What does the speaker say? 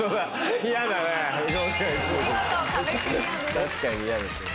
確かに嫌ですね。